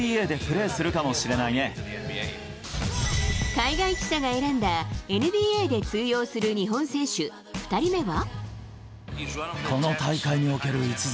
海外記者が選んだ、ＮＢＡで通用する日本選手２人目は。